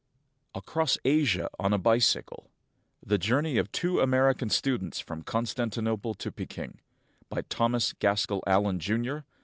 ACROSS ASIA ON A BICYCLE THE JOURNEY OF TWO AMERICAN STUDENTS FROM CONSTANTINOPLE TO PEKING BY THOMAS GASKELL ALLEN, Jr.